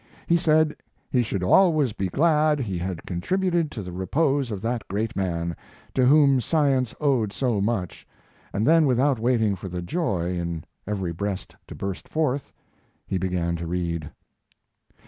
He said he should always be glad he had contributed to the repose of that great man, to whom science owed so much, and then without waiting for the joy in every breast to burst forth, he began to read.